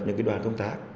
những đoàn công tác